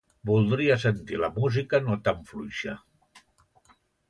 Voldria sentir la música no tan fluixa.